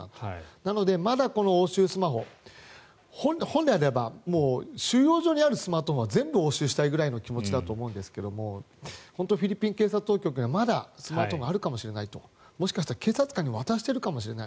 なので、まだ押収スマホ本来であればもう収容所にあるスマートフォンは全部押収したいぐらいの気持ちだと思うんですが本当にフィリピン警察当局はまだスマホがあるかもしれないともしかしたら警察官に渡しているかもしれない。